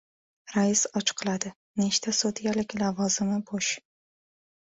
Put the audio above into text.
Rais ochiqladi: nechta sudyalik lavozimi bo‘sh?